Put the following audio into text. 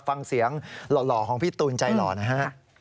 ฟังเสียงหล่อของพี่ตูนใจหล่อนะฮะ